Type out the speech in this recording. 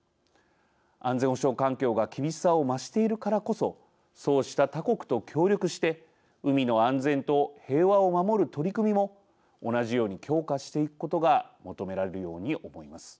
安全保障環境が厳しさを増しているからこそそうした他国と協力して海の安全と平和を守る取り組みも同じように強化していくことが求められるように思います。